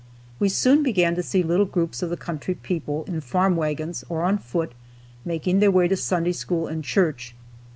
We soon began to see little groups of the country people, in farm wagons, or on foot, making their way to Sunday school and church.